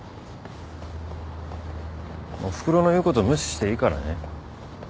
おふくろの言うこと無視していいからね。